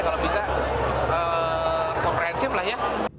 kalau bisa komprehensif lah ya